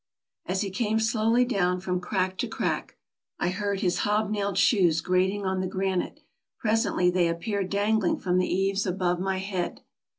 As he came slowly down from crack to crack, I heard his hobnailed shoes grating on the granite; presently they appeared dangling from the eaves above my head.